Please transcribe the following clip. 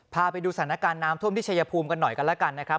พาไปดูสถานการณ์น้ำท่วมที่ชายภูมิกันหน่อยกันแล้วกันนะครับ